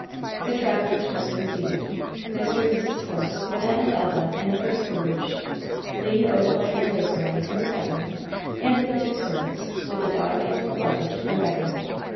The travelers were soon seated — ^Mr. and Mrs. Force, Wynnette and Elva in the first barouche, Le, Odalite and Rosemary in the second, and the two servants, with the dog and the luggage, in the wagon.